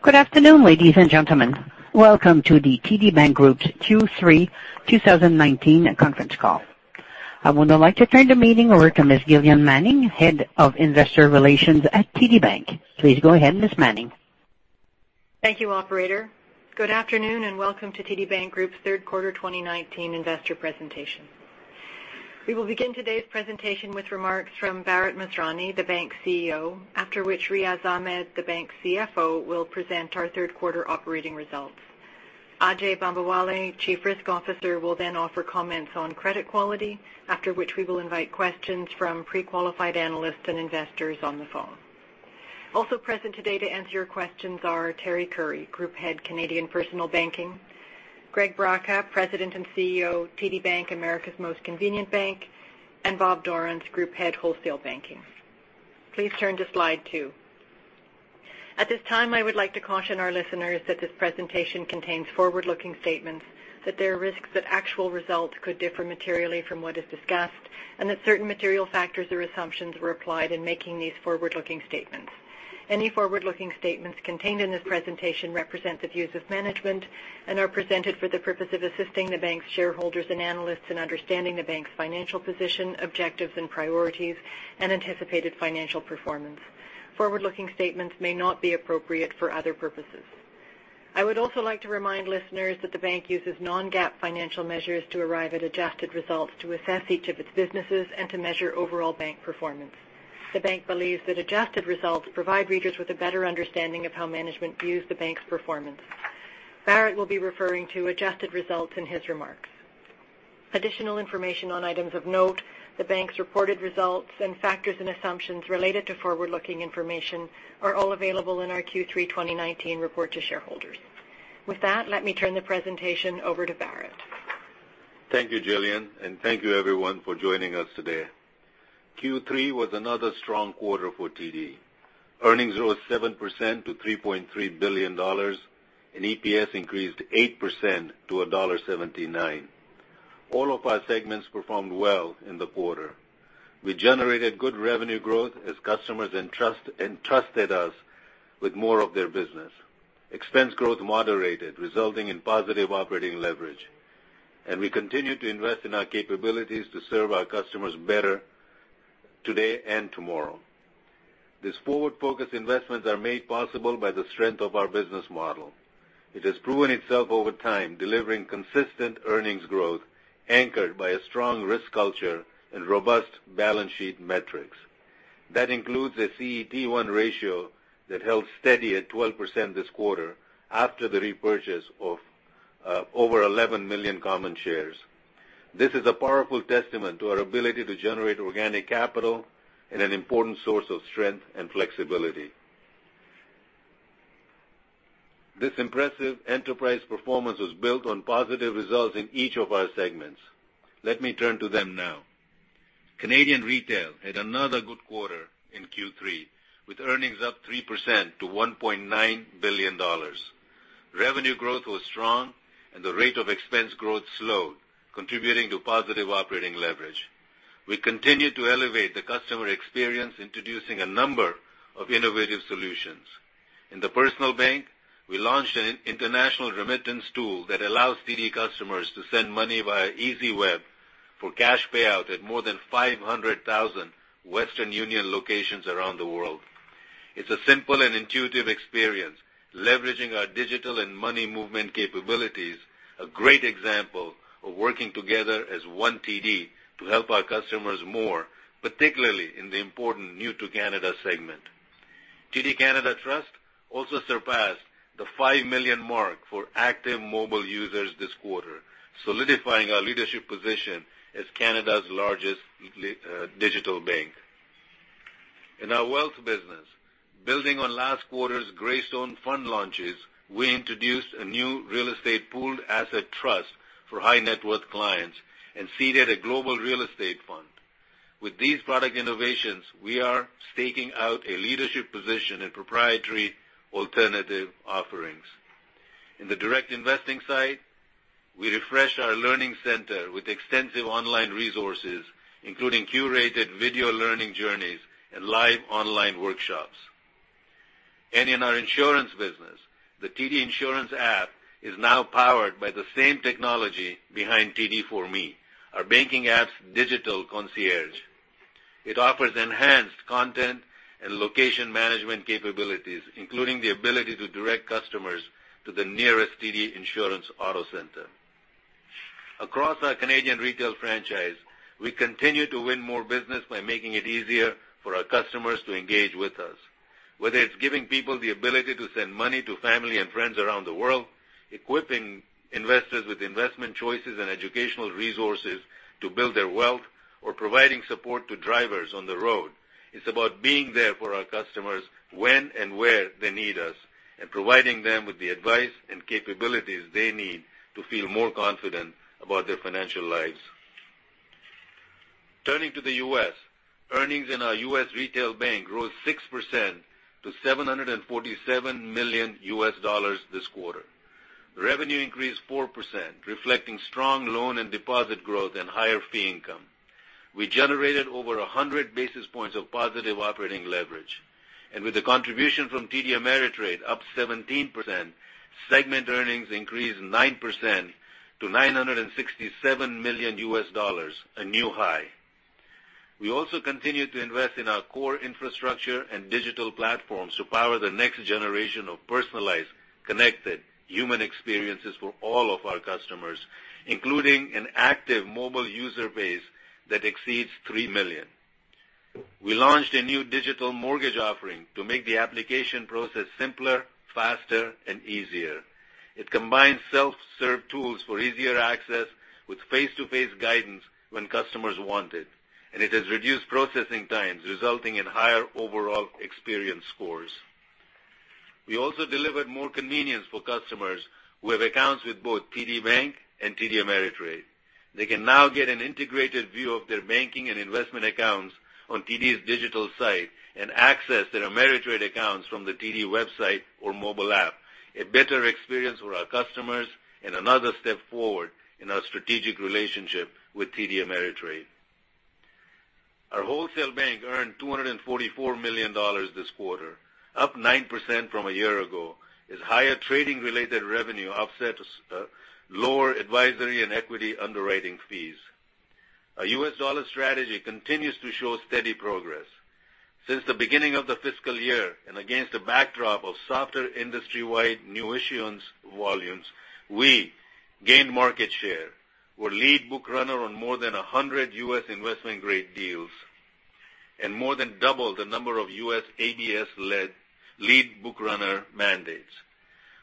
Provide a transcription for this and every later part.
Good afternoon, ladies and gentlemen. Welcome to the TD Bank Group's Q3 2019 conference call. I would now like to turn the meeting over to Ms. Gillian Manning, Head of Investor Relations at TD Bank. Please go ahead, Ms. Manning. Thank you, operator. Good afternoon, and welcome to TD Bank Group's third quarter 2019 investor presentation. We will begin today's presentation with remarks from Bharat Masrani, the bank's CEO, after which Riaz Ahmed, the bank's CFO, will present our third-quarter operating results. Ajai Bambawale, Chief Risk Officer, will then offer comments on credit quality, after which we will invite questions from pre-qualified analysts and investors on the phone. Also present today to answer your questions are Teri Currie, Group Head, TD Personal Banking; Greg Braca, President and CEO, TD Bank, America's Most Convenient Bank; and Bob Dorrance, Group Head, Wholesale Banking. Please turn to Slide two. At this time, I would like to caution our listeners that this presentation contains forward-looking statements, that there are risks that actual results could differ materially from what is discussed, and that certain material factors or assumptions were applied in making these forward-looking statements. Any forward-looking statements contained in this presentation represent the views of management and are presented for the purpose of assisting the bank's shareholders and analysts in understanding the bank's financial position, objectives and priorities, and anticipated financial performance. Forward-looking statements may not be appropriate for other purposes. I would also like to remind listeners that the bank uses non-GAAP financial measures to arrive at adjusted results to assess each of its businesses and to measure overall bank performance. The bank believes that adjusted results provide readers with a better understanding of how management views the bank's performance. Bharat will be referring to adjusted results in his remarks. Additional information on items of note, the bank's reported results, and factors and assumptions related to forward-looking information are all available in our Q3 2019 report to shareholders. With that, let me turn the presentation over to Bharat. Thank you, Gillian, and thank you, everyone, for joining us today. Q3 was another strong quarter for TD. Earnings rose 7% to 3.3 billion dollars, and EPS increased 8% to dollar 1.79. All of our segments performed well in the quarter. We generated good revenue growth as customers entrusted us with more of their business. Expense growth moderated, resulting in positive operating leverage. We continued to invest in our capabilities to serve our customers better today and tomorrow. These forward-focused investments are made possible by the strength of our business model. It has proven itself over time, delivering consistent earnings growth anchored by a strong risk culture and robust balance sheet metrics. That includes a CET1 ratio that held steady at 12% this quarter after the repurchase of over 11 million common shares. This is a powerful testament to our ability to generate organic capital and an important source of strength and flexibility. This impressive enterprise performance was built on positive results in each of our segments. Let me turn to them now. Canadian Retail had another good quarter in Q3, with earnings up 3% to 1.9 billion dollars. Revenue growth was strong, the rate of expense growth slowed, contributing to positive operating leverage. We continued to elevate the customer experience, introducing a number of innovative solutions. In the personal bank, we launched an international remittance tool that allows TD customers to send money via EasyWeb for cash payout at more than 500,000 Western Union locations around the world. It's a simple and intuitive experience, leveraging our digital and money movement capabilities, a great example of working together as one TD to help our customers more, particularly in the important new to Canada segment. TD Canada Trust also surpassed the 5 million mark for active mobile users this quarter, solidifying our leadership position as Canada's largest digital bank. In our wealth business, building on last quarter's Greystone fund launches, we introduced a new real estate pooled asset trust for high-net-worth clients and seeded a global real estate fund. With these product innovations, we are staking out a leadership position in proprietary alternative offerings. In the direct investing side, TD refreshed our learning center with extensive online resources, including curated video learning journeys and live online workshops. In our insurance business, the TD Insurance app is now powered by the same technology behind TD for Me, our banking app's digital concierge. It offers enhanced content and location management capabilities, including the ability to direct customers to the nearest TD Insurance Auto Centre. Across our Canadian retail franchise, we continue to win more business by making it easier for our customers to engage with us. Whether it's giving people the ability to send money to family and friends around the world, equipping investors with investment choices and educational resources to build their wealth, or providing support to drivers on the road, it's about being there for our customers when and where they need us and providing them with the advice and capabilities they need to feel more confident about their financial lives. Turning to the U.S., earnings in our U.S. Retail Bank rose 6% to $747 million this quarter. Revenue increased 4%, reflecting strong loan and deposit growth and higher fee income. We generated over 100 basis points of positive operating leverage. With the contribution from TD Ameritrade up 17%, segment earnings increased 9% to $967 million U.S., a new high. We also continued to invest in our core infrastructure and digital platforms to power the next generation of personalized, connected human experiences for all of our customers, including an active mobile user base that exceeds 3 million. We launched a new digital mortgage offering to make the application process simpler, faster, and easier. It combines self-serve tools for easier access with face-to-face guidance when customers want it, and it has reduced processing times, resulting in higher overall experience scores. We also delivered more convenience for customers who have accounts with both TD Bank and TD Ameritrade. They can now get an integrated view of their banking and investment accounts on TD's digital site and access their Ameritrade accounts from the TD website or mobile app, a better experience for our customers and another step forward in our strategic relationship with TD Ameritrade. Our Wholesale Banking earned 244 million dollars this quarter, up 9% from a year ago, as higher trading-related revenue offset lower advisory and equity underwriting fees. Our U.S. dollar strategy continues to show steady progress. Since the beginning of the fiscal year and against a backdrop of softer industry-wide new issuance volumes, we gained market share, were lead book runner on more than 100 U.S. investment-grade deals, and more than doubled the number of U.S. ABS-led lead book runner mandates.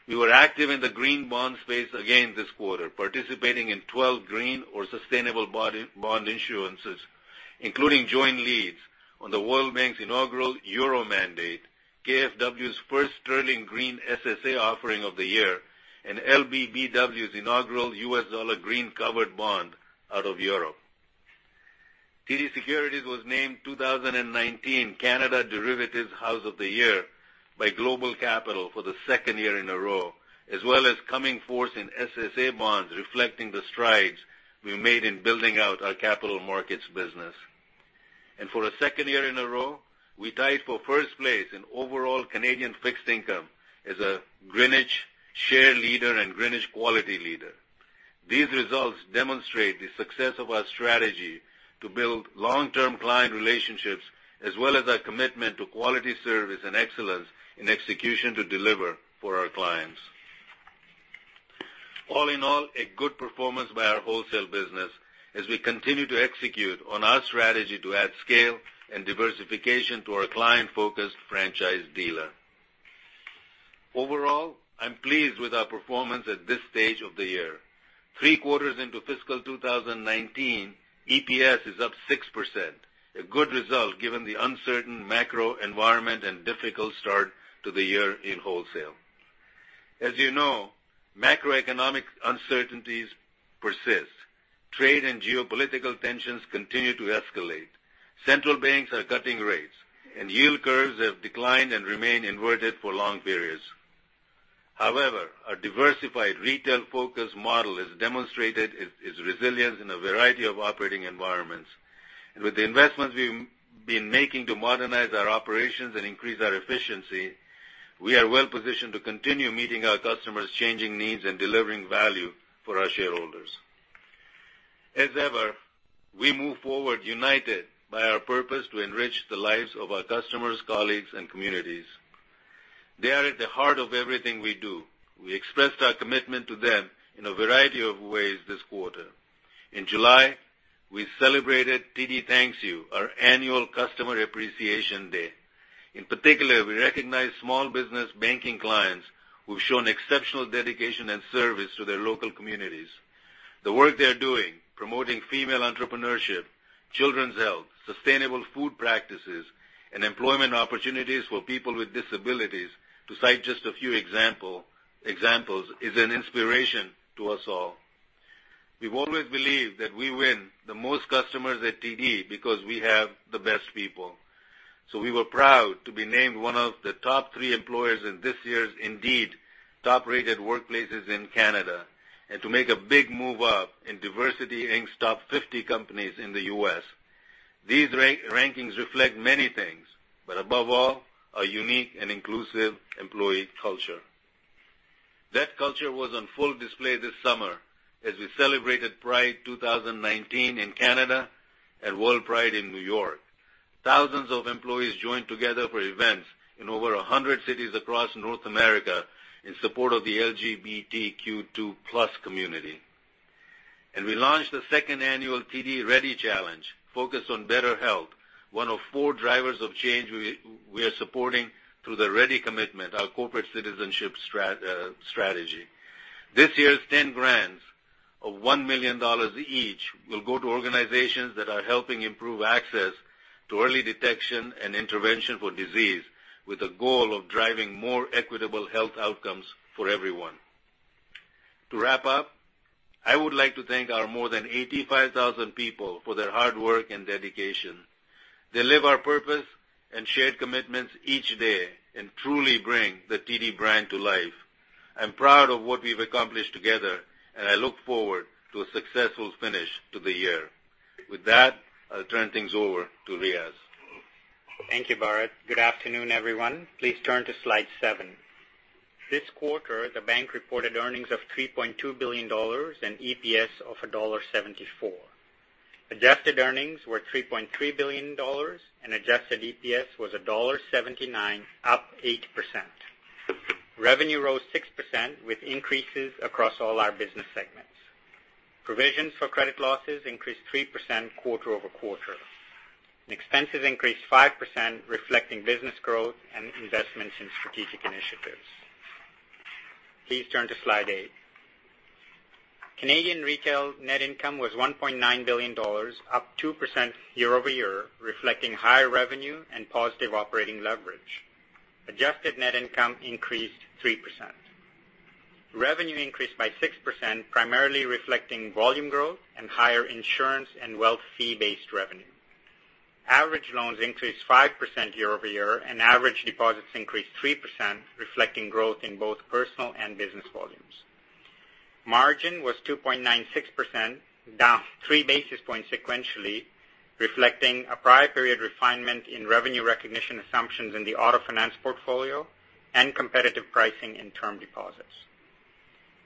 We were active in the green bond space again this quarter, participating in 12 green or sustainable bond issuances, including joint leads on the World Bank's inaugural Euro mandate, KfW's first sterling green SSA offering of the year, and LBBW's inaugural US dollar green covered bond out of Europe. TD Securities was named 2019 Canada Derivatives House of the Year by GlobalCapital for the second year in a row, as well as coming fourth in SSA bonds, reflecting the strides we made in building out our capital markets business. For the second year in a row, we tied for first place in overall Canadian fixed income as a Greenwich share leader and Greenwich quality leader. These results demonstrate the success of our strategy to build long-term client relationships, as well as our commitment to quality service and excellence in execution to deliver for our clients. All in all, a good performance by our wholesale business as we continue to execute on our strategy to add scale and diversification to our client-focused franchise dealer. Overall, I'm pleased with our performance at this stage of the year. Three quarters into fiscal 2019, EPS is up 6%, a good result given the uncertain macro environment and difficult start to the year in wholesale. As you know, macroeconomic uncertainties persist. Trade and geopolitical tensions continue to escalate. Central banks are cutting rates, and yield curves have declined and remain inverted for long periods. However, our diversified retail-focused model has demonstrated its resilience in a variety of operating environments. With the investments we've been making to modernize our operations and increase our efficiency, we are well-positioned to continue meeting our customers' changing needs and delivering value for our shareholders. As ever, we move forward united by our purpose to enrich the lives of our customers, colleagues, and communities. They are at the heart of everything we do. We expressed our commitment to them in a variety of ways this quarter. In July, we celebrated TD Thanks You, our annual customer appreciation day. In particular, we recognized small business banking clients who've shown exceptional dedication and service to their local communities. The work they are doing, promoting female entrepreneurship, children's health, sustainable food practices, and employment opportunities for people with disabilities, to cite just a few examples, is an inspiration to us all. We've always believed that we win the most customers at TD because we have the best people. We were proud to be named one of the top three employers in this year's Indeed top-rated workplaces in Canada and to make a big move up in DiversityInc's Top 50 Companies in the U.S. These rankings reflect many things, but above all, our unique and inclusive employee culture. That culture was on full display this summer as we celebrated Pride 2019 in Canada and WorldPride in New York. Thousands of employees joined together for events in over 100 cities across North America in support of the LGBTQ2+ community. We launched the second annual TD Ready Challenge, focused on better health, one of four drivers of change we are supporting through the TD Ready Commitment, our corporate citizenship strategy. This year's 10 grants of 1 million dollars each will go to organizations that are helping improve access to early detection and intervention for disease, with a goal of driving more equitable health outcomes for everyone. To wrap up, I would like to thank our more than 85,000 people for their hard work and dedication. They live our purpose and shared commitments each day and truly bring the TD brand to life. I'm proud of what we've accomplished together, and I look forward to a successful finish to the year. With that, I'll turn things over to Riaz. Thank you, Bharat. Good afternoon, everyone. Please turn to slide seven. This quarter, the bank reported earnings of 3.2 billion dollars and EPS of dollar 1.74. Adjusted earnings were 3.3 billion dollars, and adjusted EPS was dollar 1.79, up 8%. Revenue rose 6%, with increases across all our business segments. Provisions for credit losses increased 3% quarter-over-quarter, and expenses increased 5%, reflecting business growth and investments in strategic initiatives. Please turn to slide eight. Canadian Retail net income was 1.9 billion dollars, up 2% year-over-year, reflecting higher revenue and positive operating leverage. Adjusted net income increased 3%. Revenue increased by 6%, primarily reflecting volume growth and higher insurance and wealth fee-based revenue. Average loans increased 5% year-over-year, and average deposits increased 3%, reflecting growth in both personal and business volumes. Margin was 2.96%, down three basis points sequentially, reflecting a prior period refinement in revenue recognition assumptions in the auto finance portfolio and competitive pricing in term deposits.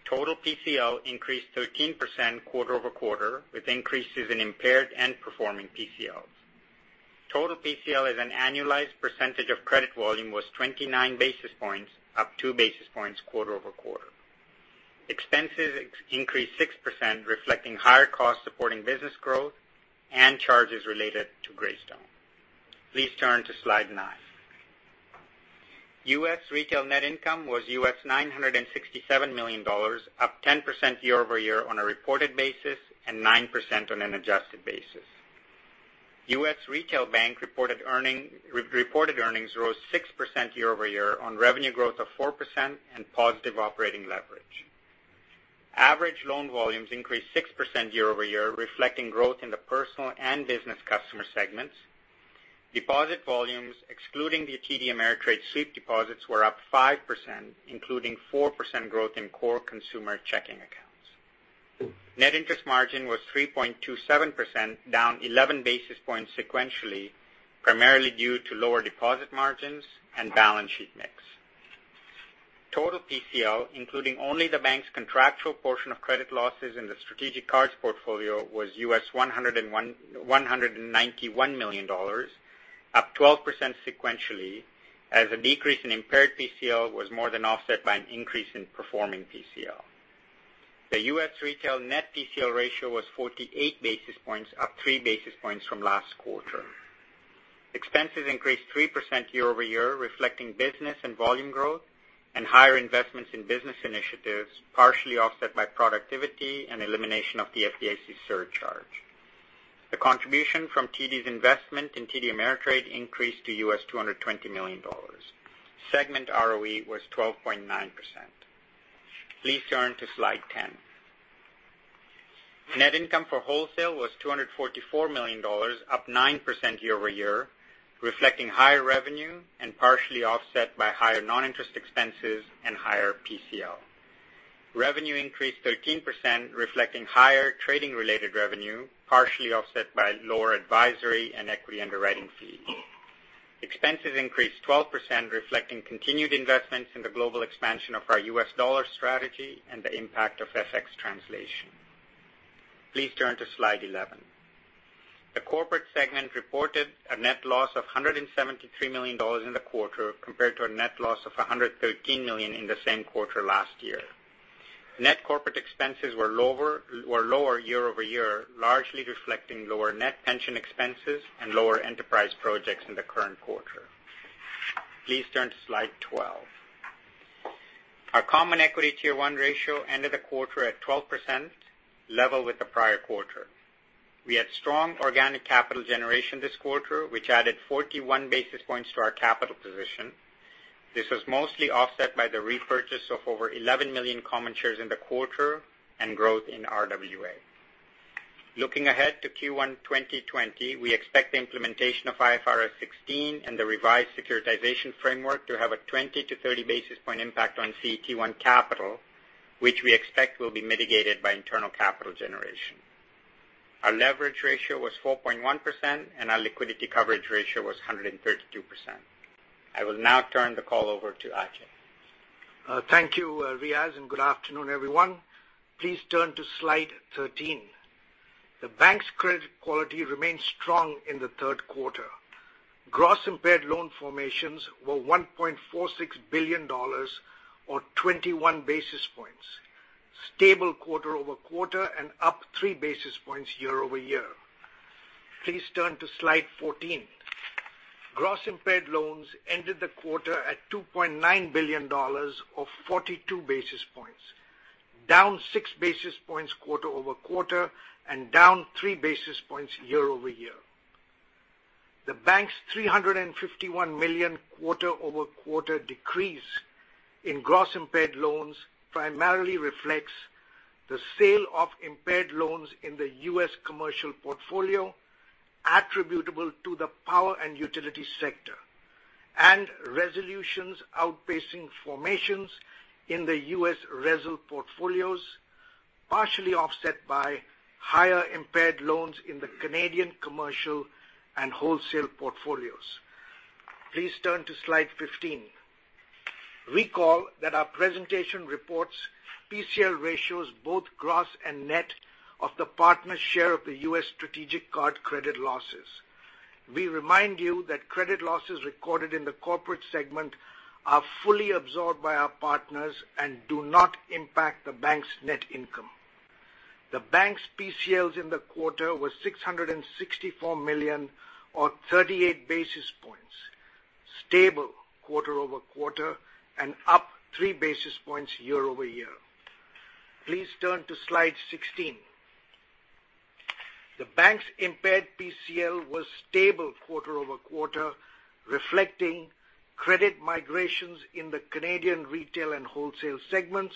Total PCL increased 13% quarter over quarter, with increases in impaired and performing PCLs. Total PCL as an annualized percentage of credit volume was 29 basis points, up two basis points quarter over quarter. Expenses increased 6%, reflecting higher costs supporting business growth and charges related to Greystone. Please turn to slide nine. U.S. retail net income was US$967 million, up 10% year over year on a reported basis and 9% on an adjusted basis. U.S. Retail Bank reported earnings rose 6% year over year on revenue growth of 4% and positive operating leverage. Average loan volumes increased 6% year over year, reflecting growth in the personal and business customer segments. Deposit volumes, excluding the TD Ameritrade sweep deposits, were up 5%, including 4% growth in core consumer checking accounts. Net interest margin was 3.27%, down 11 basis points sequentially, primarily due to lower deposit margins and balance sheet mix. Total PCL, including only the bank's contractual portion of credit losses in the strategic cards portfolio, was US$191 million, up 12% sequentially, as a decrease in impaired PCL was more than offset by an increase in performing PCL. The US retail net PCL ratio was 48 basis points, up three basis points from last quarter. Expenses increased 3% year-over-year, reflecting business and volume growth and higher investments in business initiatives, partially offset by productivity and elimination of the FDIC surcharge. The contribution from TD's investment in TD Ameritrade increased to US$220 million. Segment ROE was 12.9%. Please turn to slide 10. Net income for Wholesale was 244 million dollars, up 9% year-over-year, reflecting higher revenue and partially offset by higher non-interest expenses and higher PCL. Revenue increased 13%, reflecting higher trading-related revenue, partially offset by lower advisory and equity underwriting fees. Expenses increased 12%, reflecting continued investments in the global expansion of our U.S. dollar strategy and the impact of FX translation. Please turn to slide 11. The Corporate segment reported a net loss of 173 million dollars in the quarter, compared to a net loss of 113 million in the same quarter last year. Net corporate expenses were lower year-over-year, largely reflecting lower net pension expenses and lower enterprise projects in the current quarter. Please turn to slide 12. Our Common Equity Tier 1 ratio ended the quarter at 12%, level with the prior quarter. We had strong organic capital generation this quarter, which added 41 basis points to our capital position. This was mostly offset by the repurchase of over 11 million common shares in the quarter and growth in RWA. Looking ahead to Q1 2020, we expect the implementation of IFRS 16 and the revised securitization framework to have a 20- to 30-basis-point impact on CET1 capital, which we expect will be mitigated by internal capital generation. Our leverage ratio was 4.1%, and our Liquidity Coverage Ratio was 132%. I will now turn the call over to Ajai. Thank you, Riaz, and good afternoon, everyone. Please turn to slide 13. The bank's credit quality remains strong in the third quarter. Gross impaired loan formations were 1.46 billion dollars or 21 basis points, stable quarter-over-quarter and up three basis points year-over-year. Please turn to slide 14. Gross impaired loans ended the quarter at 2.9 billion dollars or 42 basis points, down six basis points quarter-over-quarter and down three basis points year-over-year. The bank's 351 million quarter-over-quarter decrease in gross impaired loans primarily reflects the sale of impaired loans in the U.S. commercial portfolio attributable to the power and utility sector, and resolutions outpacing formations in the U.S. RESL portfolios, partially offset by higher impaired loans in the Canadian commercial and Wholesale portfolios. Please turn to slide 15. Recall that our presentation reports PCL ratios both gross and net of the partner's share of the U.S. strategic card credit losses. We remind you that credit losses recorded in the corporate segment are fully absorbed by our partners and do not impact the bank's net income. The bank's PCLs in the quarter were 664 million or 38 basis points, stable quarter-over-quarter, and up three basis points year-over-year. Please turn to slide 16. The bank's impaired PCL was stable quarter-over-quarter, reflecting credit migrations in the Canadian retail and wholesale segments,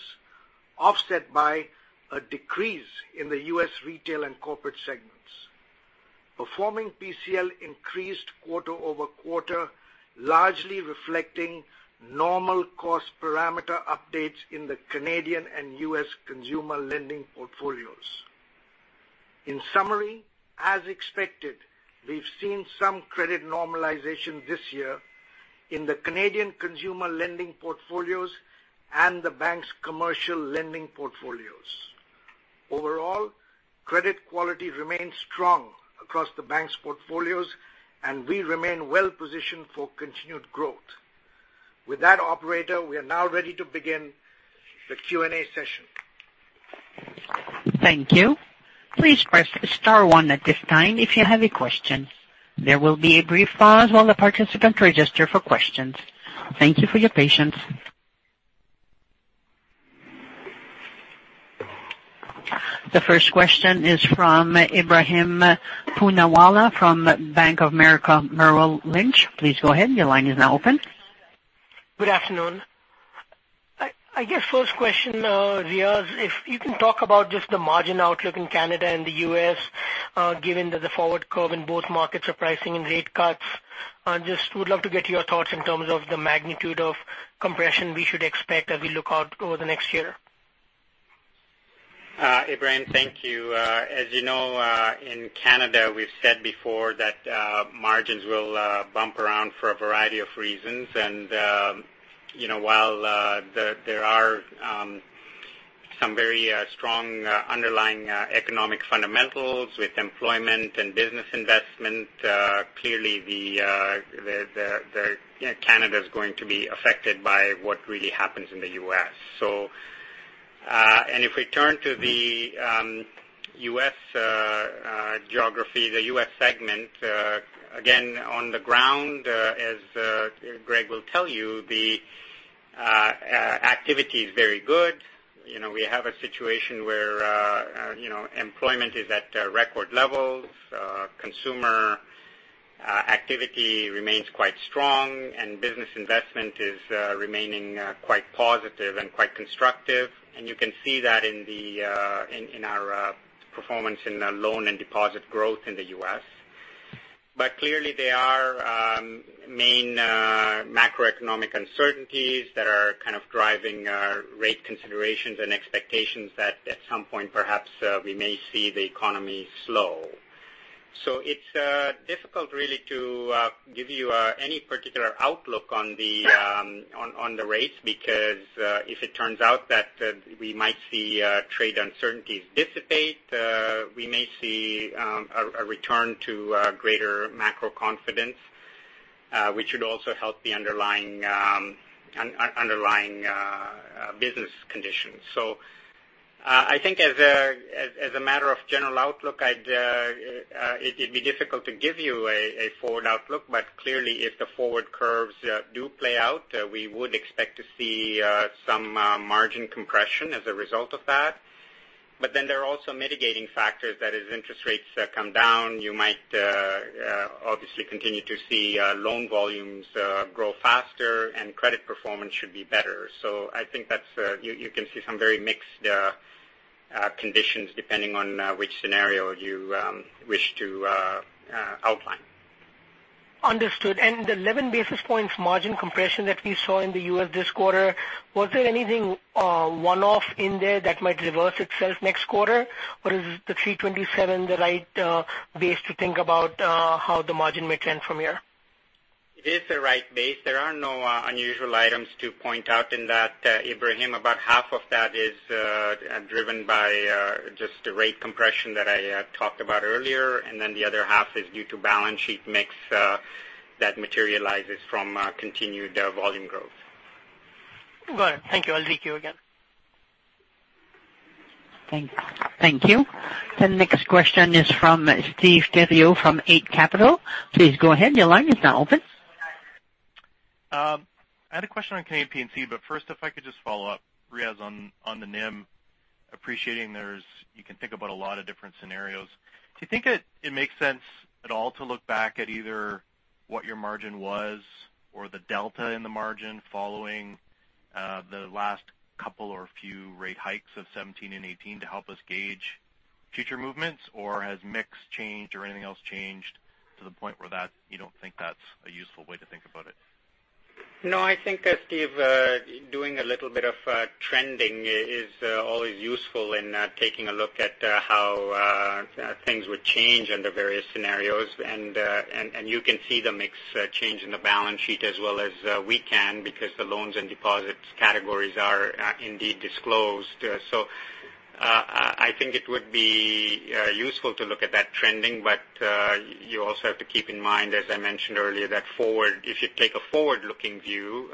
offset by a decrease in the U.S. retail and corporate segments. Performing PCL increased quarter-over-quarter, largely reflecting normal cost parameter updates in the Canadian and U.S. consumer lending portfolios. In summary, as expected, we've seen some credit normalization this year in the Canadian consumer lending portfolios and the bank's commercial lending portfolios. Overall, credit quality remains strong across the bank's portfolios, and we remain well-positioned for continued growth. With that, operator, we are now ready to begin the Q&A session. Thank you. Please press star one at this time if you have a question. There will be a brief pause while the participants register for questions. Thank you for your patience. The first question is from Ebrahim Poonawala from Bank of America Merrill Lynch. Please go ahead. Your line is now open. Good afternoon. I guess first question, Riaz, if you can talk about just the margin outlook in Canada and the U.S. given that the forward curve in both markets are pricing in rate cuts. Just would love to get your thoughts in terms of the magnitude of compression we should expect as we look out over the next year. Ebrahim, thank you. As you know, in Canada, we've said before that margins will bump around for a variety of reasons. While there are some very strong underlying economic fundamentals with employment and business investment clearly Canada's going to be affected by what really happens in the U.S. If we turn to the U.S. geography, the U.S. segment again on the ground as Greg will tell you, the activity is very good. We have a situation where employment is at record levels. Consumer activity remains quite strong, and business investment is remaining quite positive and quite constructive. You can see that in our performance in loan and deposit growth in the U.S. Clearly there are main macroeconomic uncertainties that are kind of driving our rate considerations and expectations that at some point perhaps we may see the economy slow. It's difficult really to give you any particular outlook on the rates because if it turns out that we might see trade uncertainties dissipate we may see a return to greater macro confidence which would also help the underlying business conditions. I think as a matter of general outlook, it'd be difficult to give you a forward outlook, but clearly if the forward curves do play out, we would expect to see some margin compression as a result of that. There are also mitigating factors that as interest rates come down, you might obviously continue to see loan volumes grow faster and credit performance should be better. I think you can see some very mixed conditions depending on which scenario you wish to outline. Understood. The 11 basis points margin compression that we saw in the U.S. this quarter, was there anything one-off in there that might reverse itself next quarter? Is the 327 the right base to think about how the margin may trend from here? It is the right base. There are no unusual items to point out in that, Ebrahim. About half of that is driven by just the rate compression that I talked about earlier. The other half is due to balance sheet mix that materializes from continued volume growth. Got it. Thank you. I'll ring you again. Thank you. The next question is from Steve Theriault from Eight Capital. Please go ahead. Your line is now open. First, if I could just follow up, Riaz, on the NIM. Appreciating you can think about a lot of different scenarios. Do you think it makes sense at all to look back at either what your margin was or the delta in the margin following the last couple or few rate hikes of 2017 and 2018 to help us gauge future movements? Has mix changed or anything else changed to the point where you don't think that's a useful way to think about it? No, I think, Steve, doing a little bit of trending is always useful in taking a look at how things would change under various scenarios. You can see the mix change in the balance sheet as well as we can because the loans and deposits categories are indeed disclosed. I think it would be useful to look at that trending. You also have to keep in mind, as I mentioned earlier, that if you take a forward-looking view,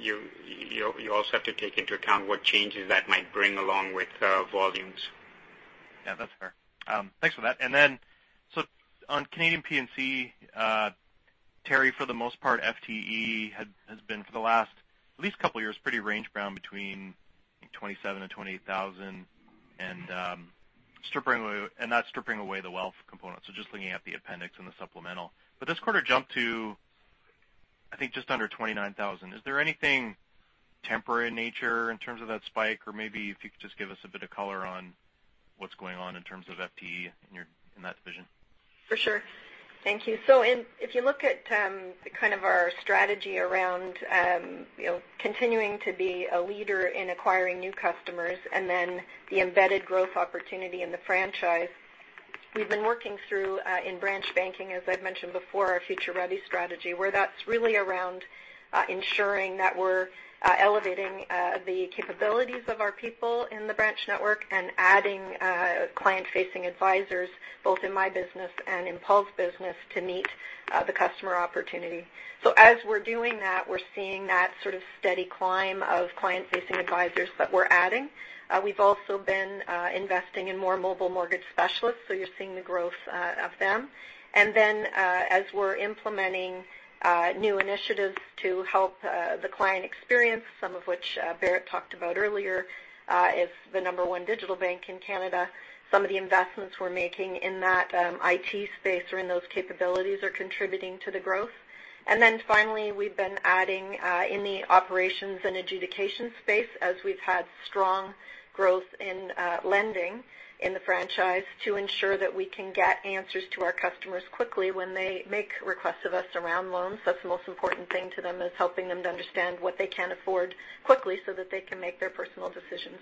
you also have to take into account what changes that might bring along with volumes. Yeah, that's fair. Thanks for that. On Canadian P&C, Teri, for the most part, FTE has been for the last at least couple years pretty range-bound between 27,000 and 28,000, and not stripping away the wealth component, so just looking at the appendix and the supplemental. This quarter jumped to, I think just under 29,000. Is there anything temporary in nature in terms of that spike? Maybe if you could just give us a bit of color on what's going on in terms of FTE in that division. For sure. Thank you. If you look at our strategy around continuing to be a leader in acquiring new customers and then the embedded growth opportunity in the franchise, we've been working through in branch banking, as I've mentioned before, our future-ready strategy, where that's really around ensuring that we're elevating the capabilities of our people in the branch network and adding client-facing advisors, both in my business and in Paul's business, to meet the customer opportunity. As we're doing that, we're seeing that sort of steady climb of client-facing advisors that we're adding. We've also been investing in more mobile mortgage specialists, so you're seeing the growth of them. As we're implementing new initiatives to help the client experience, some of which Bharat talked about earlier, as the number one digital bank in Canada, some of the investments we're making in that IT space or in those capabilities are contributing to the growth. Finally, we've been adding in the operations and adjudication space as we've had strong growth in lending in the franchise to ensure that we can get answers to our customers quickly when they make requests of us around loans. That's the most important thing to them, is helping them to understand what they can afford quickly so that they can make their personal decisions.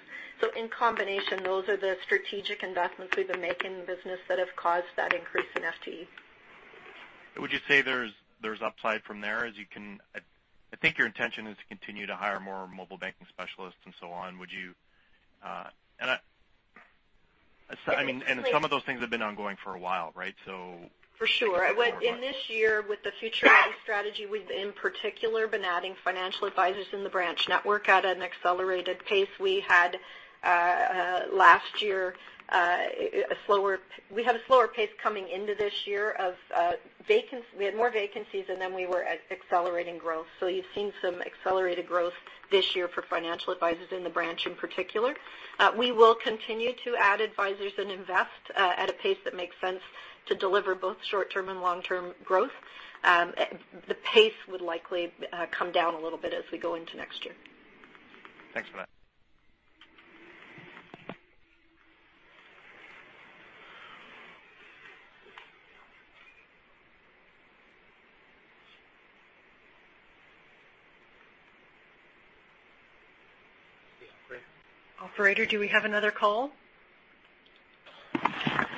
In combination, those are the strategic investments we've been making in the business that have caused that increase in FTE. Would you say there's upside from there? I think your intention is to continue to hire more mobile banking specialists and so on. Some of those things have been ongoing for a while, right? For sure. In this year, with the future-ready strategy, we've in particular been adding financial advisors in the branch network at an accelerated pace. We had a slower pace coming into this year. We had more vacancies than we were at accelerating growth. You've seen some accelerated growth this year for financial advisors in the branch in particular. We will continue to add advisors and invest at a pace that makes sense to deliver both short-term and long-term growth. The pace would likely come down a little bit as we go into next year. Thanks for that. Operator. Operator, do we have another call?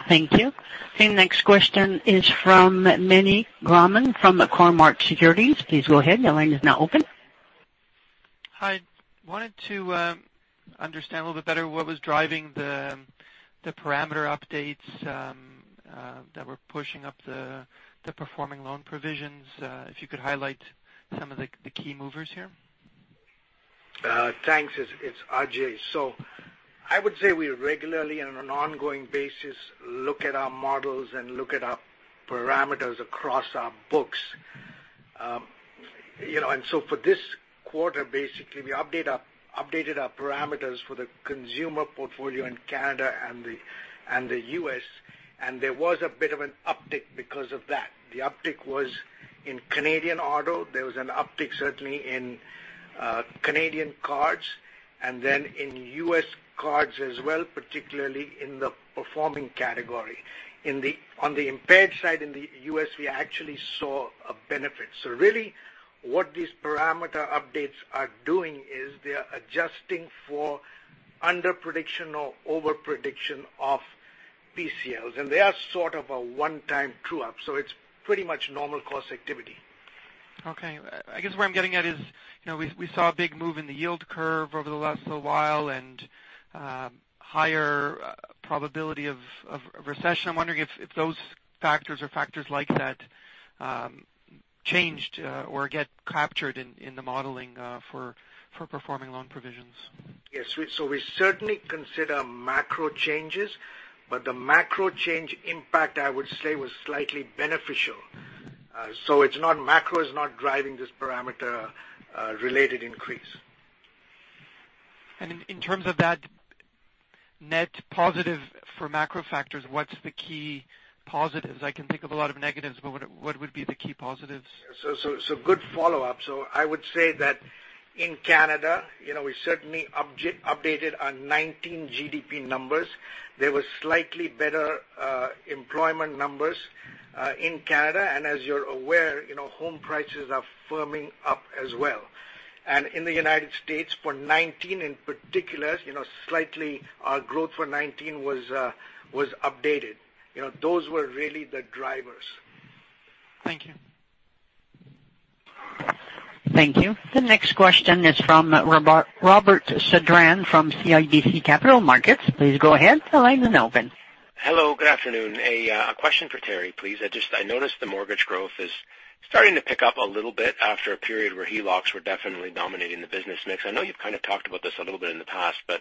Thank you. The next question is from Meny Grauman from Cormark Securities. Please go ahead. Your line is now open. Hi. Wanted to understand a little bit better what was driving the parameter updates that were pushing up the performing loan provisions. If you could highlight some of the key movers here? Thanks. It's Ajai. I would say we regularly, on an ongoing basis, look at our models and look at our parameters across our books. For this quarter, basically, we updated our parameters for the consumer portfolio in Canada and the U.S., and there was a bit of an uptick because of that. The uptick was in Canadian auto. There was an uptick certainly in Canadian cards, and then in U.S. cards as well, particularly in the performing category. On the impaired side in the U.S., we actually saw a benefit. Really what these parameter updates are doing is they are adjusting for under-prediction or over-prediction of PCLs, and they are sort of a one-time true-up, so it's pretty much normal course activity. Okay. I guess where I'm getting at is we saw a big move in the yield curve over the last little while and higher probability of recession. I'm wondering if those factors or factors like that changed or get captured in the modeling for performing loan provisions. Yes. We certainly consider macro changes, but the macro change impact, I would say, was slightly beneficial. Macro is not driving this parameter-related increase. In terms of that net positive for macro factors, what's the key positives? I can think of a lot of negatives. What would be the key positives? Good follow-up. I would say that in Canada, we certainly updated our 2019 GDP numbers. There were slightly better employment numbers in Canada, and as you're aware, home prices are firming up as well. In the United States for 2019, in particular, slightly our growth for 2019 was updated. Those were really the drivers. Thank you. Thank you. The next question is from Robert Sedran from CIBC Capital Markets. Please go ahead. The line is now open. Hello. Good afternoon. A question for Teri, please. I noticed the mortgage growth is starting to pick up a little bit after a period where HELOCs were definitely dominating the business mix. I know you've kind of talked about this a little bit in the past, but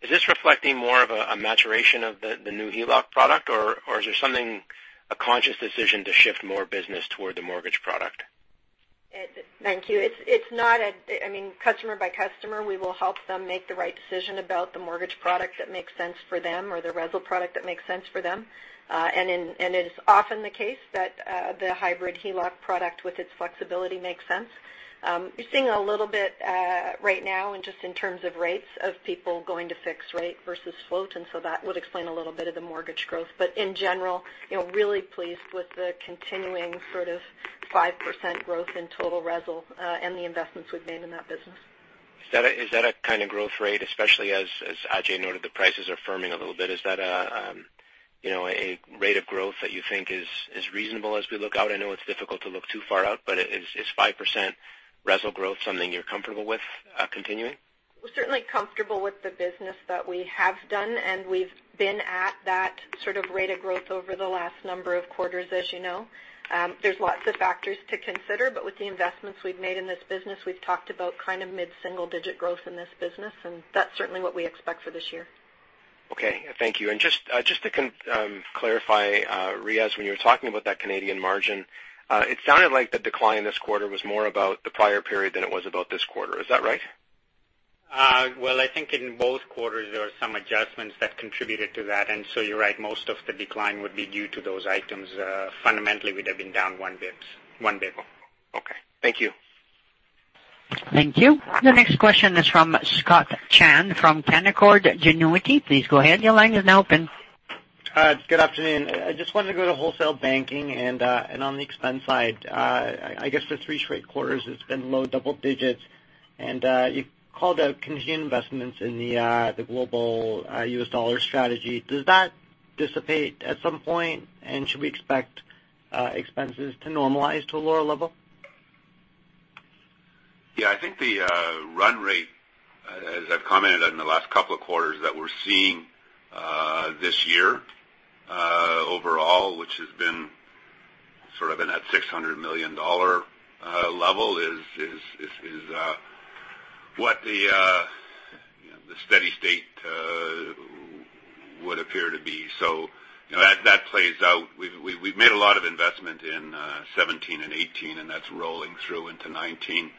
is this reflecting more of a maturation of the new HELOC product, or is there a conscious decision to shift more business toward the mortgage product? Thank you. Customer by customer, we will help them make the right decision about the mortgage product that makes sense for them or the RESL product that makes sense for them. It is often the case that the hybrid HELOC product with its flexibility makes sense. You're seeing a little bit right now just in terms of rates of people going to fixed rate versus float. That would explain a little bit of the mortgage growth. In general, really pleased with the continuing sort of 5% growth in total RESL and the investments we've made in that business. Is that a kind of growth rate, especially as Ajai noted, the prices are firming a little bit. Is that a rate of growth that you think is reasonable as we look out? I know it's difficult to look too far out, but is 5% RESL growth something you're comfortable with continuing? We're certainly comfortable with the business that we have done, and we've been at that sort of rate of growth over the last number of quarters as you know. There's lots of factors to consider, but with the investments we've made in this business, we've talked about kind of mid-single digit growth in this business, and that's certainly what we expect for this year. Okay. Thank you. Just to clarify, Riaz, when you were talking about that Canadian margin, it sounded like the decline this quarter was more about the prior period than it was about this quarter. Is that right? Well, I think in both quarters there were some adjustments that contributed to that. You're right, most of the decline would be due to those items. Fundamentally, we'd have been down one basis point. Okay. Thank you. Thank you. The next question is from Scott Chan from Canaccord Genuity. Please go ahead. Your line is now open. Good afternoon. I just wanted to go to Wholesale Banking and on the expense side. I guess for three straight quarters it's been low double digits, and you called out Canadian investments in the global U.S. dollar strategy. Does that dissipate at some point, and should we expect expenses to normalize to a lower level? Yeah, I think the run rate as I've commented on in the last couple of quarters that we're seeing this year overall, which has been sort of in that 600 million dollar level is what the steady state would appear to be. That plays out. We've made a lot of investment in 2017 and 2018, and that's rolling through into 2019.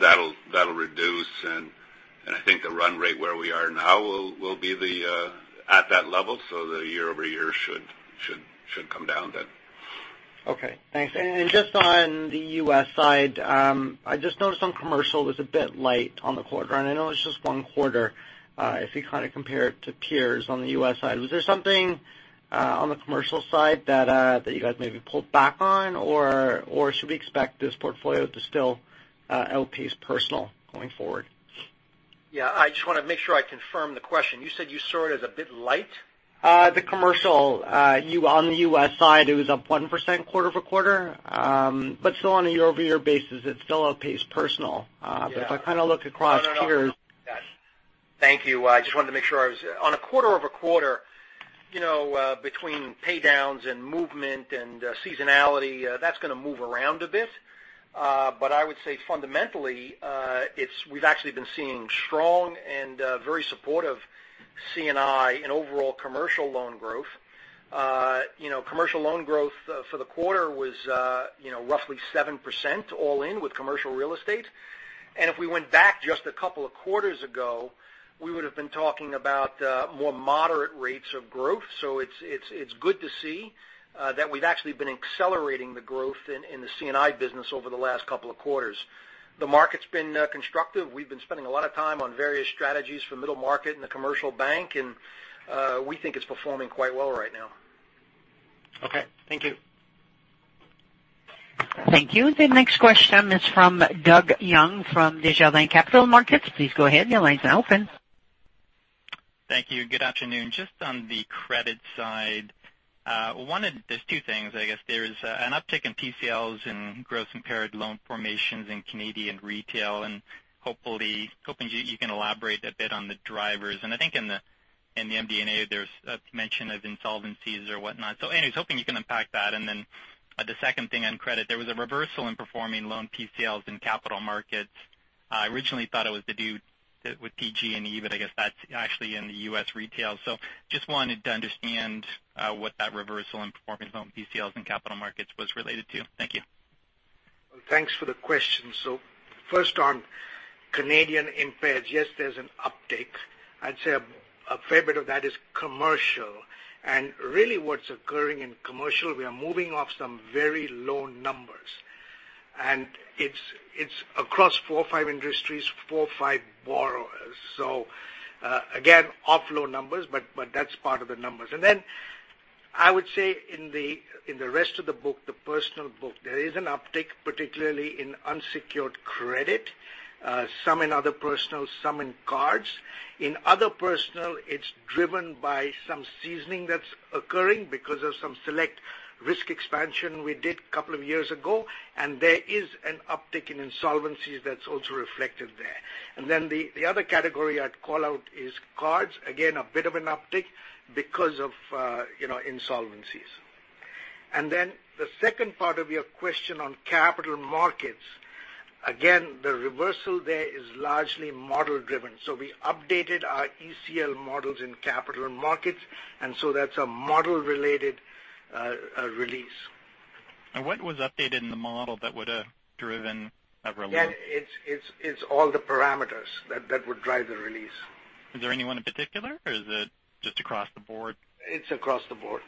That'll reduce, and I think the run rate where we are now will be at that level. The year-over-year should come down then. Okay, thanks. Just on the U.S. side, I just noticed on commercial it was a bit light on the quarter, and I know it's just one quarter. If you kind of compare it to peers on the U.S. side, was there something on the commercial side that you guys maybe pulled back on, or should we expect this portfolio to still outpace personal going forward? I just want to make sure I confirm the question. You said you saw it as a bit light? The commercial on the U.S. side, it was up 1% quarter-over-quarter. Still on a year-over-year basis, it still outpaced personal. If I kind of look across peers. No. Got it. Thank you. Quarter-over-quarter, between pay downs and movement and seasonality, that's going to move around a bit. I would say fundamentally, we've actually been seeing strong and very supportive C&I and overall commercial loan growth. Commercial loan growth for the quarter was roughly 7% all in with commercial real estate. If we went back just a couple of quarters ago, we would've been talking about more moderate rates of growth. It's good to see that we've actually been accelerating the growth in the C&I business over the last couple of quarters. The market's been constructive. We've been spending a lot of time on various strategies for middle market and the commercial bank, and we think it's performing quite well right now. Okay. Thank you. Thank you. The next question is from Doug Young from Desjardins Capital Markets. Please go ahead. Your line is now open. Thank you. Good afternoon. Just on the credit side, there's two things, I guess. There's an uptick in PCLs and gross impaired loan formations in Canadian retail, hoping you can elaborate a bit on the drivers. I think in the MD&A there's a mention of insolvencies or whatnot. Anyways, hoping you can unpack that. The second thing on credit, there was a reversal in performing loan PCLs in capital markets. I originally thought it was to do with TG and E, but I guess that's actually in the U.S. retail. Just wanted to understand what that reversal in performance on PCLs and capital markets was related to. Thank you. Well, thanks for the question. First on Canadian impairs, yes, there's an uptick. I'd say a fair bit of that is commercial. Really what's occurring in commercial, we are moving off some very low numbers, and it's across four or five industries, four or five borrowers. Again, off low numbers, but that's part of the numbers. Then I would say in the rest of the book, the personal book, there is an uptick, particularly in unsecured credit, some in other personal, some in cards. In other personal, it's driven by some seasoning that's occurring because of some select risk expansion we did couple of years ago, and there is an uptick in insolvencies that's also reflected there. Then the other category I'd call out is cards. Again, a bit of an uptick because of insolvencies. The second part of your question on capital markets. Again, the reversal there is largely model driven. We updated our ECL models in capital markets, and so that's a model related release. What was updated in the model that would have driven a release? It's all the parameters that would drive the release. Is there anyone in particular, or is it just across the board? It's across the board.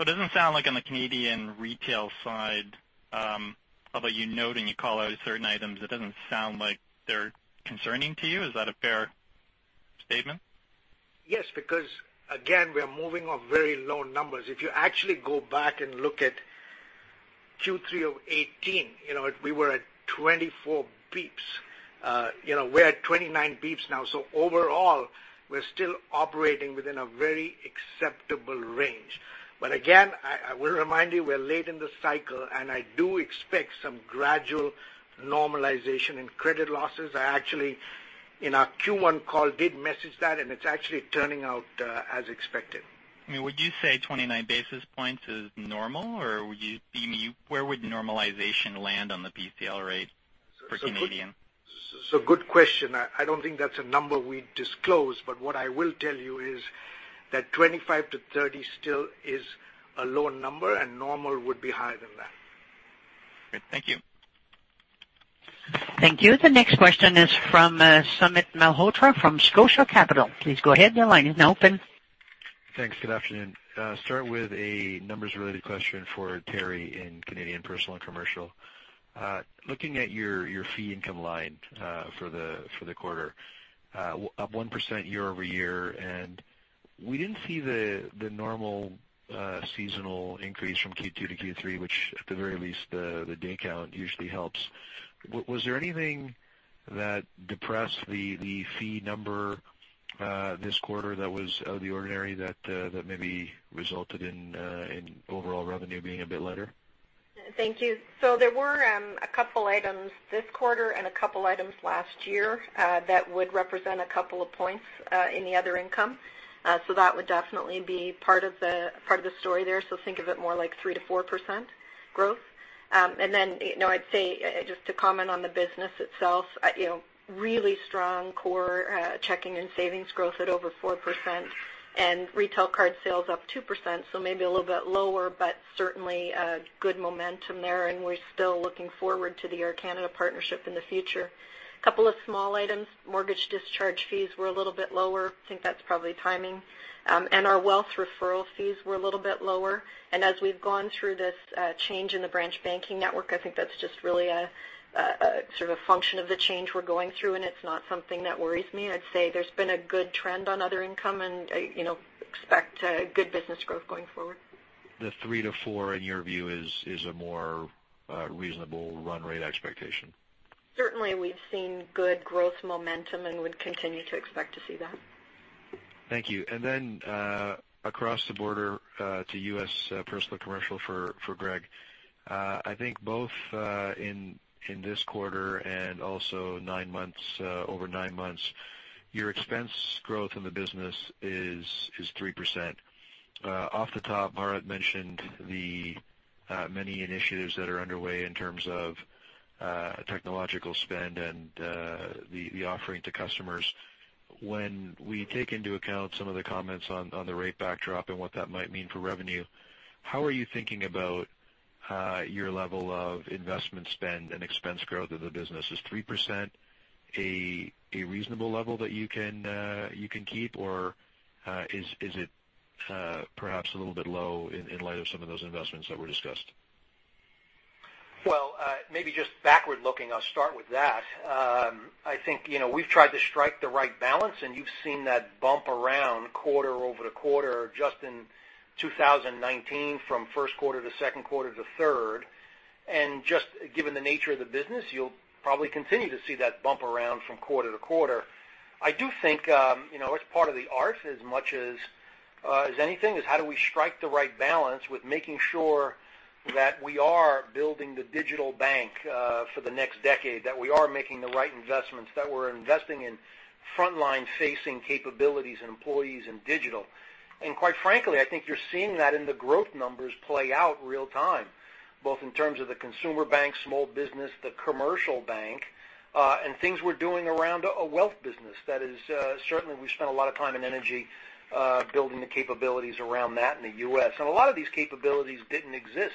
It doesn't sound like on the Canadian retail side, although you note and you call out certain items, it doesn't sound like they're concerning to you. Is that a fair statement? Again, we are moving off very low numbers. If you actually go back and look at Q3 of 2018, we were at 24 basis points. We're at 29 basis points now. Overall, we're still operating within a very acceptable range. Again, I will remind you, we're late in the cycle, and I do expect some gradual normalization in credit losses. I actually, in our Q1 call, did message that, and it's actually turning out as expected. Would you say 29 basis points is normal, or where would normalization land on the PCL rate for Canadian? It's a good question. I don't think that's a number we disclose, but what I will tell you is that 25 to 30 still is a low number, and normal would be higher than that. Great. Thank you. Thank you. The next question is from Sumit Malhotra from Scotiabank. Please go ahead. Your line is now open. Thanks. Good afternoon. Start with a numbers related question for Teri in Canadian Personal and Commercial. Looking at your fee income line for the quarter, up 1% year-over-year. We didn't see the normal seasonal increase from Q2 to Q3, which at the very least, the day count usually helps. Was there anything that depressed the fee number this quarter that was out of the ordinary that maybe resulted in overall revenue being a bit lighter? Thank you. There were a couple items this quarter and a couple items last year that would represent a couple of points in the other income. That would definitely be part of the story there. Think of it more like 3%-4% growth. I'd say, just to comment on the business itself, really strong core checking and savings growth at over 4% and retail card sales up 2%. Maybe a little bit lower, but certainly a good momentum there, and we're still looking forward to the Air Canada partnership in the future. Couple of small items. Mortgage discharge fees were a little bit lower. I think that's probably timing. Our wealth referral fees were a little bit lower. As we've gone through this change in the branch banking network, I think that's just really a sort of function of the change we're going through, and it's not something that worries me. I'd say there's been a good trend on other income and expect good business growth going forward. The three to four, in your view, is a more reasonable run rate expectation? Certainly, we've seen good growth momentum and would continue to expect to see that. Thank you. Then across the border to U.S. personal commercial for Greg. I think both in this quarter and also over nine months, your expense growth in the business is 3%. Off the top, Bharat mentioned the many initiatives that are underway in terms of technological spend and the offering to customers. When we take into account some of the comments on the rate backdrop and what that might mean for revenue, how are you thinking about your level of investment spend and expense growth of the business? Is 3% a reasonable level that you can keep, or is it perhaps a little bit low in light of some of those investments that were discussed? Well, maybe just backward looking, I'll start with that. I think we've tried to strike the right balance, and you've seen that bump around quarter-over-quarter just in 2019 from first quarter to second quarter to third. Just given the nature of the business, you'll probably continue to see that bump around from quarter-to-quarter. I do think it's part of the art as much as anything is how do we strike the right balance with making sure that we are building the digital bank for the next decade, that we are making the right investments, that we're investing in frontline facing capabilities and employees in digital. Quite frankly, I think you're seeing that in the growth numbers play out real time. Both in terms of the consumer bank, small business, the commercial bank, and things we're doing around a wealth business. That is, certainly we've spent a lot of time and energy building the capabilities around that in the U.S. A lot of these capabilities didn't exist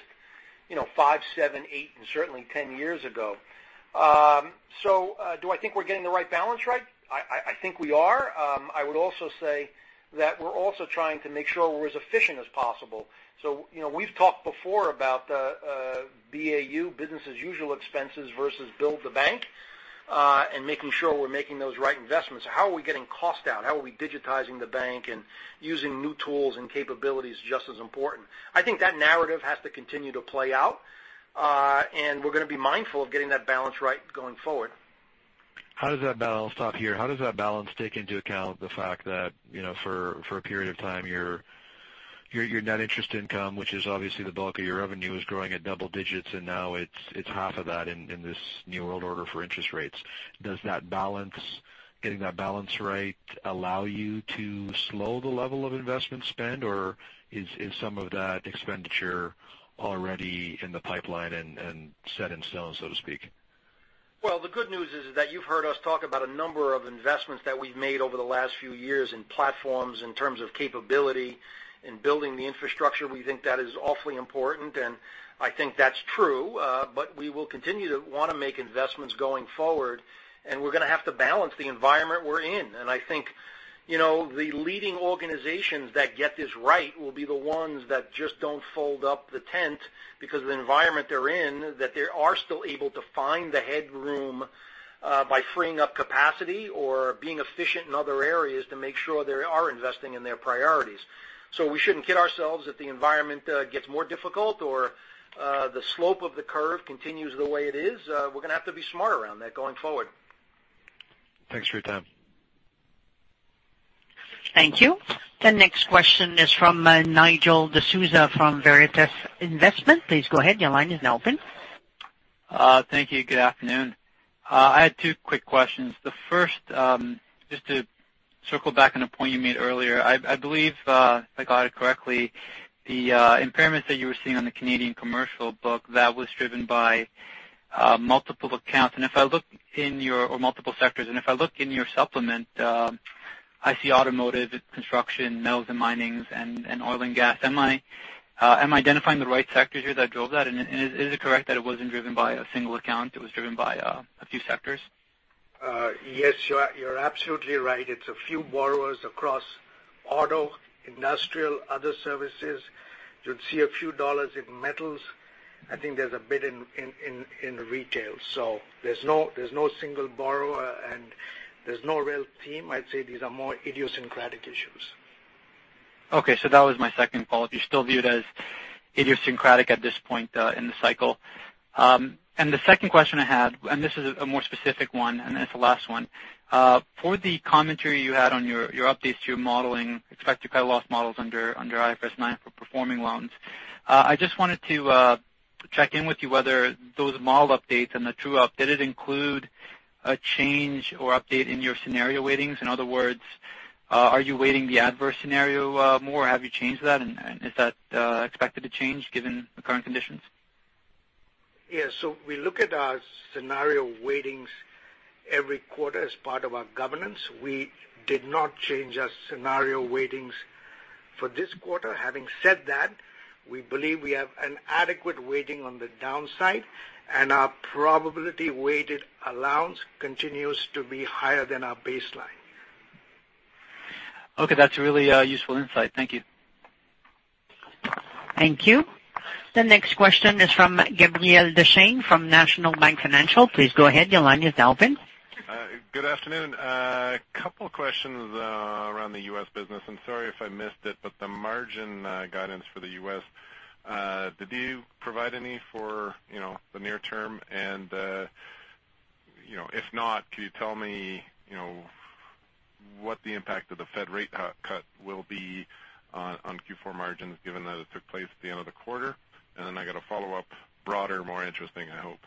five, seven, eight, and certainly 10 years ago. Do I think we're getting the right balance right? I think we are. I would also say that we're also trying to make sure we're as efficient as possible. We've talked before about BAU, business as usual expenses versus build the bank, and making sure we're making those right investments. How are we getting cost down? How are we digitizing the bank and using new tools and capabilities just as important? I think that narrative has to continue to play out. We're going to be mindful of getting that balance right going forward. How does that balance take into account the fact that for a period of time, your net interest income, which is obviously the bulk of your revenue, is growing at double digits, and now it's half of that in this new world order for interest rates. Does getting that balance right allow you to slow the level of investment spend, or is some of that expenditure already in the pipeline and set in stone, so to speak? Well, the good news is that you've heard us talk about a number of investments that we've made over the last few years in platforms in terms of capability, in building the infrastructure. We think that is awfully important, and I think that's true, but we will continue to want to make investments going forward, and we're going to have to balance the environment we're in. I think the leading organizations that get this right will be the ones that just don't fold up the tent because of the environment they're in, that they are still able to find the headroom by freeing up capacity or being efficient in other areas to make sure they are investing in their priorities. We shouldn't kid ourselves. If the environment gets more difficult or the slope of the curve continues the way it is, we're going to have to be smart around that going forward. Thanks for your time. Thank you. The next question is from Nigel D'Souza from Veritas Investment Research. Please go ahead. Your line is now open. Thank you. Good afternoon. I had two quick questions. The first, just to circle back on a point you made earlier. I believe if I got it correctly, the impairments that you were seeing on the Canadian commercial book, that was driven by multiple accounts or multiple sectors. If I look in your supplement I see automotive, construction, metals and minings, and oil and gas. Am I identifying the right sectors here that drove that? Is it correct that it wasn't driven by a single account, it was driven by a few sectors? Yes, you're absolutely right. It's a few borrowers across auto, industrial, other services. You'd see a few dollars in metals. I think there's a bit in retail. There's no single borrower, and there's no real theme. I'd say these are more idiosyncratic issues. Okay. That was my second follow-up. You still view it as idiosyncratic at this point in the cycle. The second question I had, and this is a more specific one, and it's the last one. For the commentary you had on your updates to your modeling, expected credit loss models under IFRS 9 for performing loans. I just wanted to check in with you whether those model updates and the true-up, did it include a change or update in your scenario weightings? In other words, are you weighting the adverse scenario more? Have you changed that, and is that expected to change given the current conditions? We look at our scenario weightings every quarter as part of our governance. We did not change our scenario weightings for this quarter. Having said that, we believe we have an adequate weighting on the downside, and our probability weighted allowance continues to be higher than our baseline. Okay. That's a really useful insight. Thank you. Thank you. The next question is from Gabriel Dechaine from National Bank Financial. Please go ahead. Your line is now open. Good afternoon. Couple questions around the U.S. business. I'm sorry if I missed it, but the margin guidance for the U.S., did you provide any for the near term? If not, can you tell me what the impact of the Fed rate cut will be on Q4 margins given that it took place at the end of the quarter? I got a follow-up, broader, more interesting, I hope.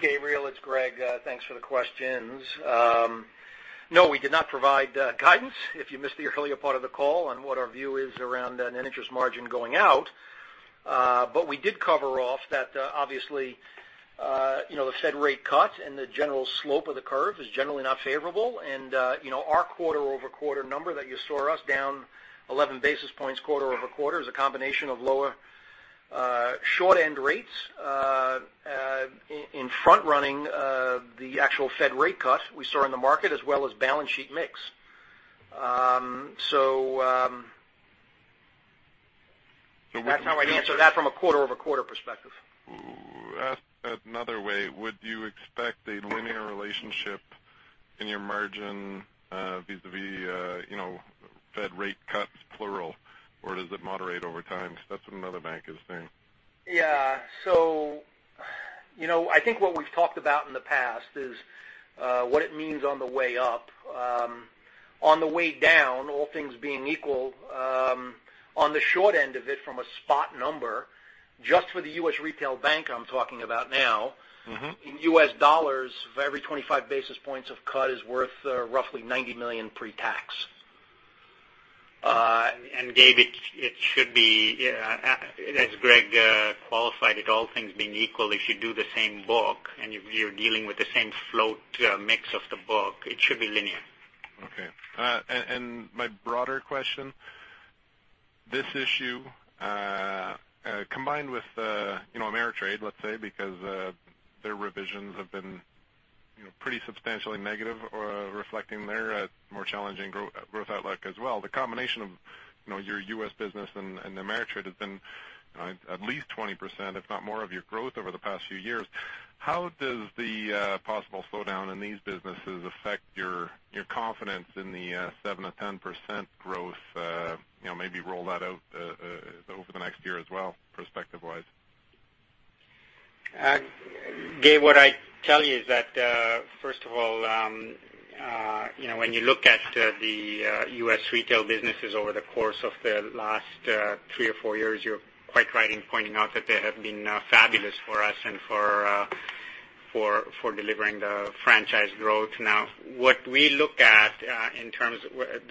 Gabriel, it's Greg. Thanks for the questions. We did not provide guidance, if you missed the earlier part of the call on what our view is around net interest margin going out. We did cover off that obviously the Fed rate cut and the general slope of the curve is generally not favorable. Our quarter-over-quarter number that you saw us down 11 basis points quarter-over-quarter is a combination of lower short end rates in front-running the actual Fed rate cut we saw in the market as well as balance sheet mix. That's how I'd answer that from a quarter-over-quarter perspective. Ask another way, would you expect a linear relationship in your margin vis-à-vis Fed rate cuts plural, or does it moderate over time? That's what another bank is saying. Yeah. I think what we've talked about in the past is what it means on the way up. On the way down, all things being equal, on the short end of it from a spot number, just for the U.S. retail bank I'm talking about now. in U.S. dollars, for every 25 basis points of cut is worth roughly $90 million pre-tax. Dave, as Greg qualified it, all things being equal, if you do the same book, and you're dealing with the same float mix of the book, it should be linear. Okay. My broader question, this issue, combined with Ameritrade, let's say, because their revisions have been pretty substantially negative or reflecting their more challenging growth outlook as well. The combination of your U.S. business and Ameritrade has been at least 20%, if not more, of your growth over the past few years. How does the possible slowdown in these businesses affect your confidence in the 7%-10% growth, maybe roll that out over the next year as well, perspective-wise? Gabe, what I tell you is that first of all, when you look at the U.S. retail businesses over the course of the last three or four years, you're quite right in pointing out that they have been fabulous for us and for delivering the franchise growth. Now, what we look at in terms of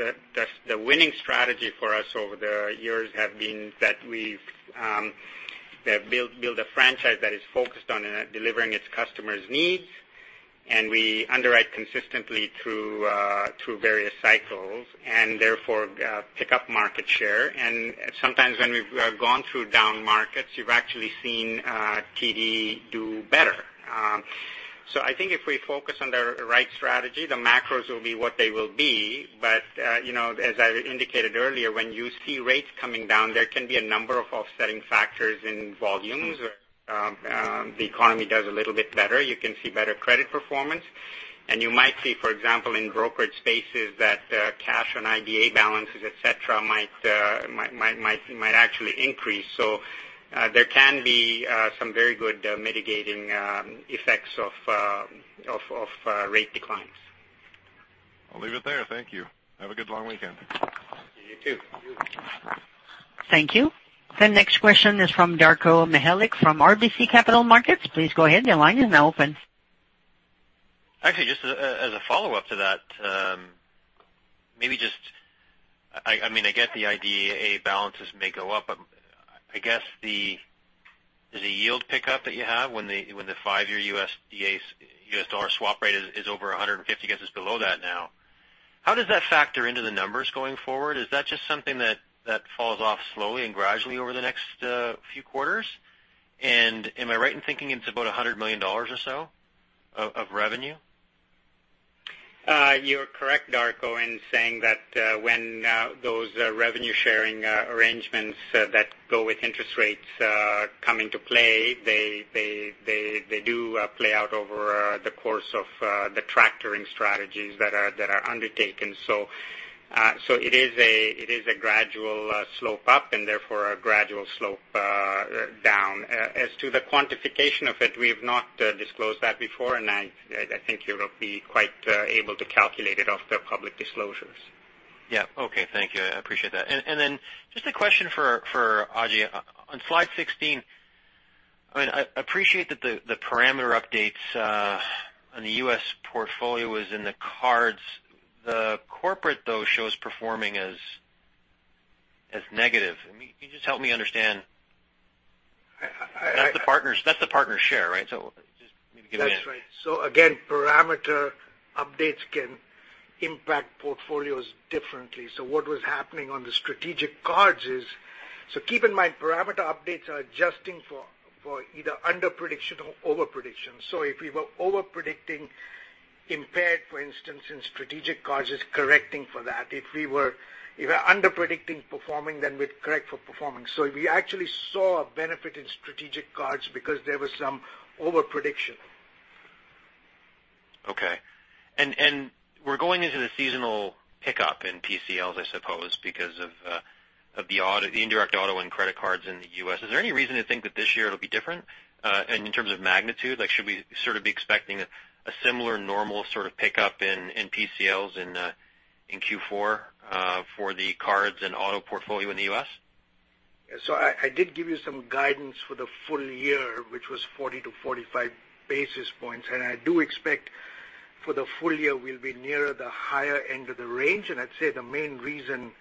the winning strategy for us over the years have been that we've built a franchise that is focused on delivering its customers' needs, and we underwrite consistently through various cycles, and therefore pick up market share. Sometimes when we've gone through down markets, you've actually seen TD do better. I think if we focus on the right strategy, the macros will be what they will be, but as I indicated earlier, when you see rates coming down, there can be a number of offsetting factors in volumes. The economy does a little bit better. You can see better credit performance. You might see, for example, in brokerage spaces that cash on IDA balances, et cetera, might actually increase. There can be some very good mitigating effects of rate declines. I'll leave it there. Thank you. Have a good long weekend. You too. Thank you. The next question is from Darko Mihelic from RBC Capital Markets. Please go ahead. Your line is now open. Actually, just as a follow-up to that, I get the idea A balances may go up. I guess the yield pickup that you have when the 5-year USDA U.S. dollar swap rate is over 150 against us below that now, how does that factor into the numbers going forward? Is that just something that falls off slowly and gradually over the next few quarters? Am I right in thinking it's about 100 million dollars or so of revenue? You're correct, Darko, in saying that when those revenue-sharing arrangements that go with interest rates come into play they do play out over the course of the tracking strategies that are undertaken. It is a gradual slope up and therefore a gradual slope down. As to the quantification of it, we have not disclosed that before, and I think you will be quite able to calculate it off the public disclosures. Yeah. Okay. Thank you. I appreciate that. Just a question for Ajai. On slide 16, I appreciate that the parameter updates on the U.S. portfolio was in the cards. The corporate, though, shows performing as negative. Can you just help me understand? That's the partner's share, right? That's right. Again, parameter updates can impact portfolios differently. What was happening on the strategic cards is, keep in mind, parameter updates are adjusting for either under-prediction or over-prediction. If we were over-predicting impaired, for instance, in strategic cards, it's correcting for that. If we were under-predicting performing, then we'd correct for performing. We actually saw a benefit in strategic cards because there was some over-prediction. Okay. We're going into the seasonal pickup in PCLs, I suppose, because of the indirect auto and credit cards in the U.S. Is there any reason to think that this year it'll be different in terms of magnitude? Should we sort of be expecting a similar normal sort of pickup in PCLs in Q4 for the cards and auto portfolio in the U.S.? I did give you some guidance for the full year, which was 40 to 45 basis points. I do expect for the full year, we'll be nearer the higher end of the range. I'd say the main reason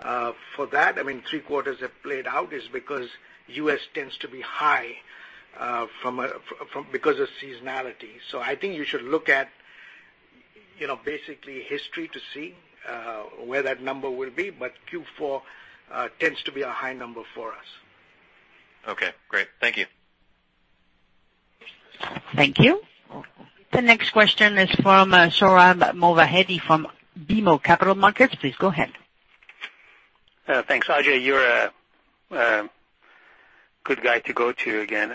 for that, three quarters have played out, is because U.S. tends to be high because of seasonality. I think you should look at basically history to see where that number will be, but Q4 tends to be a high number for us. Okay, great. Thank you. Thank you. The next question is from Sohrab Movahedi from BMO Capital Markets. Please go ahead. Thanks. Ajai, you're a good guy to go to again.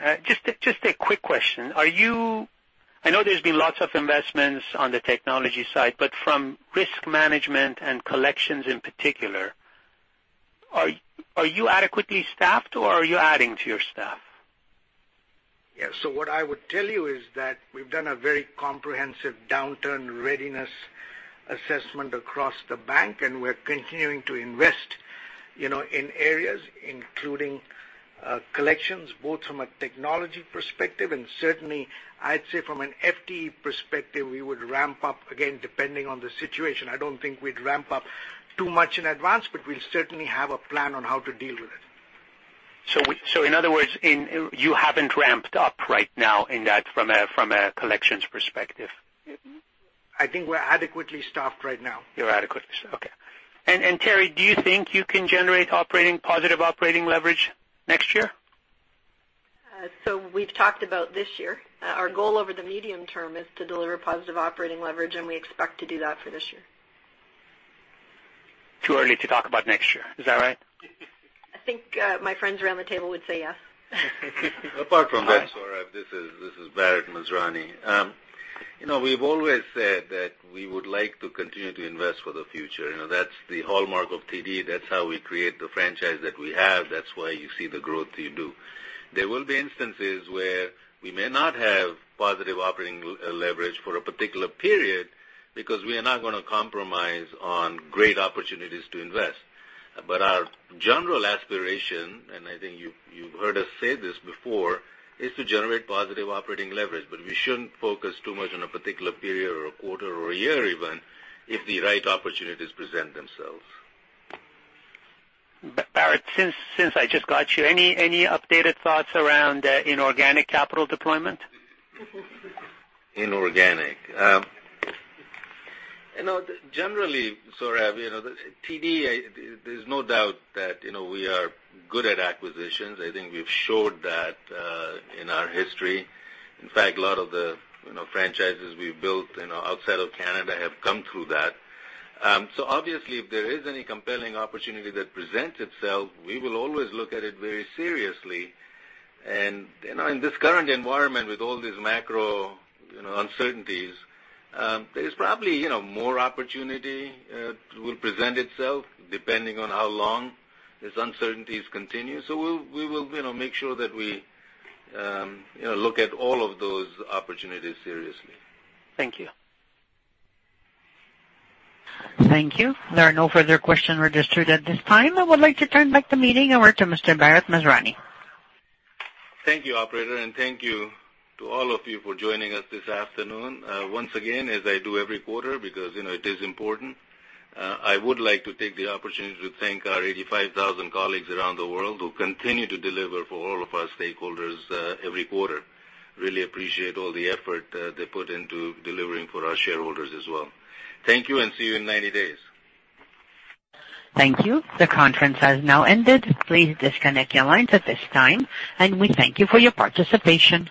Just a quick question. I know there's been lots of investments on the technology side, but from risk management and collections in particular, are you adequately staffed, or are you adding to your staff? What I would tell you is that we've done a very comprehensive downturn readiness assessment across the bank, and we're continuing to invest in areas including collections, both from a technology perspective and certainly, I'd say from an FTE perspective, we would ramp up again, depending on the situation. I don't think we'd ramp up too much in advance, but we'll certainly have a plan on how to deal with it. In other words, you haven't ramped up right now in that from a collections perspective? I think we're adequately staffed right now. You're adequately staffed. Okay. Teri, do you think you can generate positive operating leverage next year? We've talked about this year. Our goal over the medium term is to deliver positive operating leverage, and we expect to do that for this year. Too early to talk about next year. Is that right? I think my friends around the table would say yes. Apart from that, Sohrab, this is Bharat Masrani. We've always said that we would like to continue to invest for the future. That's the hallmark of TD. That's how we create the franchise that we have. That's why you see the growth you do. There will be instances where we may not have positive operating leverage for a particular period because we are not going to compromise on great opportunities to invest. Our general aspiration, and I think you've heard us say this before, is to generate positive operating leverage, but we shouldn't focus too much on a particular period or a quarter or a year even if the right opportunities present themselves. Bharat, since I just got you, any updated thoughts around inorganic capital deployment? Inorganic. Generally, Saurabh, TD, there's no doubt that we are good at acquisitions. I think we've showed that in our history. In fact, a lot of the franchises we've built outside of Canada have come through that. Obviously if there is any compelling opportunity that presents itself, we will always look at it very seriously. In this current environment with all these macro uncertainties, there's probably more opportunity will present itself depending on how long these uncertainties continue. We will make sure that we look at all of those opportunities seriously. Thank you. Thank you. There are no further questions registered at this time. I would like to turn back the meeting over to Mr. Bharat Masrani. Thank you, operator, thank you to all of you for joining us this afternoon. Once again, as I do every quarter because it is important, I would like to take the opportunity to thank our 85,000 colleagues around the world who continue to deliver for all of our stakeholders every quarter. I really appreciate all the effort they put into delivering for our shareholders as well. Thank you, see you in 90 days. Thank you. The conference has now ended. Please disconnect your lines at this time, and we thank you for your participation.